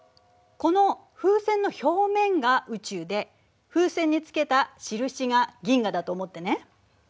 この風船の表面が宇宙で風船につけた印が銀河だと思ってね。